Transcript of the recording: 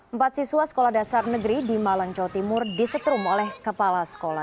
empat siswa sekolah dasar negeri di malang jawa timur disetrum oleh kepala sekolah